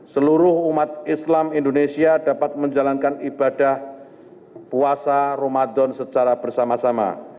seluruh umat islam indonesia dapat menjalankan ibadah puasa ramadan secara bersama sama